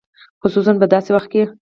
خصوصاً په داسې وخت کې.